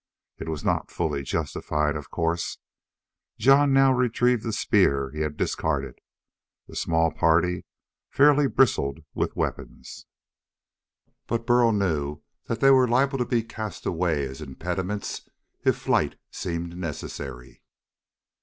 It was not fully justified, of course. Jon now retrieved the spear he had discarded. The small party fairly bristled with weapons. But Burl knew that they were liable to be cast away as impediments if flight seemed necessary.